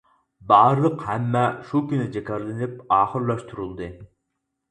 بارلىق ھەممە شۇ كۈنى جاكارلىنىپ ئاخىرلاشتۇرۇلدى.